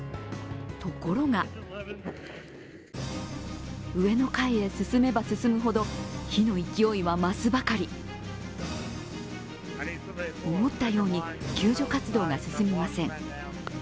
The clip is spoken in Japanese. ところが上の階へ進めば進むほど、火の勢いは増すばかり思ったように救助活動が進みません。